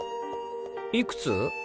いくつ？